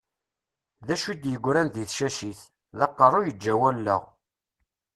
D acu i d-igran di tcacit? D aqerru yeǧǧa wallaɣ.